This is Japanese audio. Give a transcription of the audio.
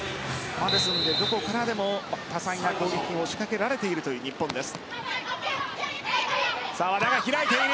ですのでどこからでも多彩な攻撃を仕掛けられているという日本です。